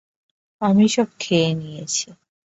আমি সব খেয়ে নিয়েছি।